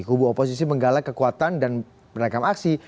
kubu oposisi menggalak kekuatan dan beragam aksi